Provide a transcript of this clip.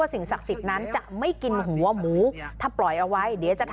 ไม่อยากให้แม่เป็นอะไรไปแล้วนอนร้องไห้แท่ทุกคืน